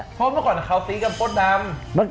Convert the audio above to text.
เพราะเมื่อก่อนเขาตีกันมดดำ